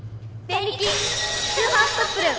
スーハーストップルン！